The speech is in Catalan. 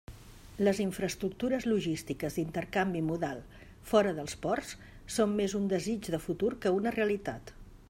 Les infraestructures logístiques d'intercanvi modal, fora dels ports, són més un desig de futur que una realitat.